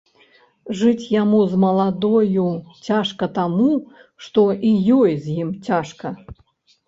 Жыць яму з маладою цяжка таму, што і ёй з ім цяжка.